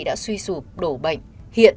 đã suy sụp đổ bệnh hiện